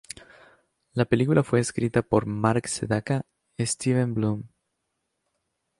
La película fue escrita por Marc Sedaka, Steven Bloom.